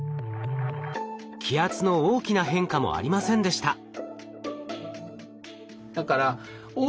気圧の大きな変化もありませんでした。